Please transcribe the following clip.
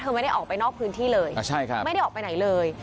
ไม่ได้ออกไปนอกพื้นที่เลยไม่ได้ออกไปไหนเลย